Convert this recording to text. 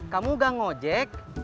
kamu enggak ngojek